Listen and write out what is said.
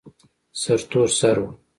سرتور سر و.